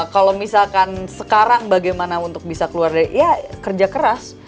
kalau misalkan sekarang bagaimana untuk bisa keluar dari ya kerja keras